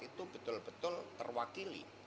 itu betul betul terwakili